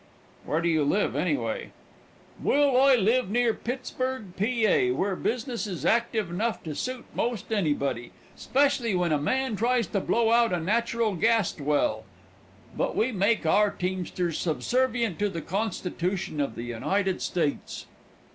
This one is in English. "Where do you live, anyway?" "Well, I live near Pittsburg, P. A., where business is active enough to suit 'most anybody, 'specially when a man tries to blow out a natural gast well, but we make our teamsters subservient to the Constitution of the United States.